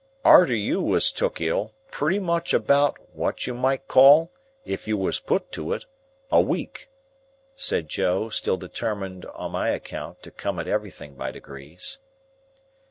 "Arter you was took ill, pretty much about what you might call (if you was put to it) a week," said Joe; still determined, on my account, to come at everything by degrees.